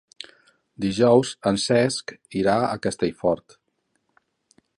Dijous en Cesc irà a Castellfort.